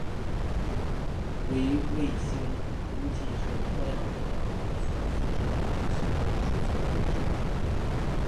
微卫星估计是脱氧核糖核酸复制的时候出错导致的。